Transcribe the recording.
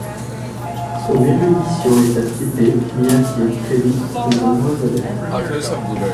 Son érudition et sa piété lui attirent très vite de nombreux adeptes.